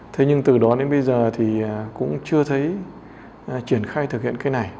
thế nhưng từ đó đến bây giờ thì cũng chưa thấy triển khai thực hiện cái này